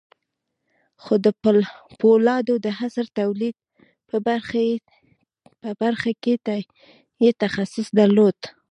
خو د پولادو د عصري تولید په برخه کې یې تخصص درلود